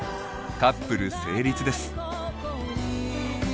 カップル成立です。